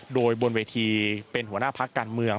โดยบนเวทีเป็นหัวหน้าพักการเมือง